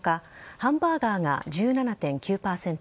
ハンバーガーが１７．９％